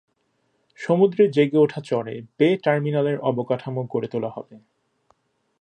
সমুদ্রে জেগে ওঠা চরে বে-টার্মিনালের অবকাঠামো গড়ে তোলা হবে।